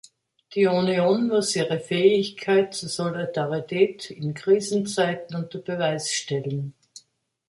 Die Union muss ihre Fähigkeit zur Solidarität in Krisenzeiten unter Beweis stellen.